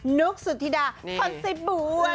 หนุกสุธิดาธรรมศิบบวรรณ์